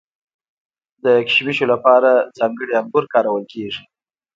د کشمشو لپاره ځانګړي انګور کارول کیږي.